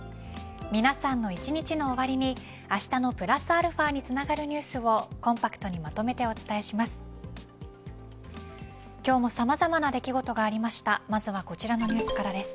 皆さんの一日の終わりにあしたのプラスαにつながるニュースをコンパクトにまとめてお伝えします。